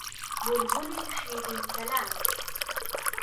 بولبولی شیرین کەلام